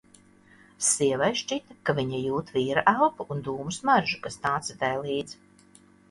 Sievai šķita, ka viņa jūt vīra elpu un dūmu smaržu, kas nāca tai līdz.